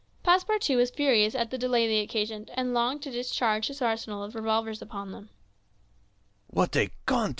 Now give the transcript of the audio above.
Passepartout was furious at the delay they occasioned, and longed to discharge his arsenal of revolvers upon them.